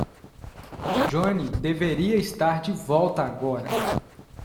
Joanne deveria estar de volta agora.